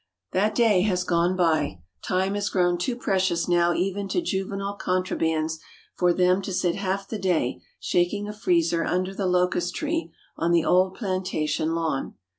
That day has gone by. Time has grown too precious now even to juvenile contrabands for them to sit half the day shaking a freezer under the locust tree on the old plantation lawn.